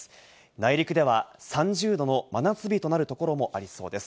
内陸では３０度の真夏日となるところもありそうです。